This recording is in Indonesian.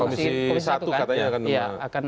komisi satu katanya akan dipanggil